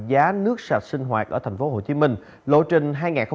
giá nước sạch sinh hoạt ở thành phố hồ chí minh